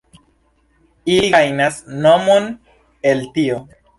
Ili gajnas monon el tio.